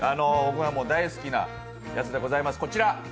僕は大好きなやつでございます。